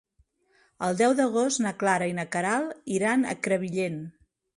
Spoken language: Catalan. El deu d'agost na Clara i na Queralt iran a Crevillent.